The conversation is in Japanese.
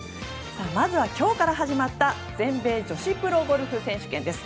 まずは、今日から始まった全米女子プロゴルフ選手権です。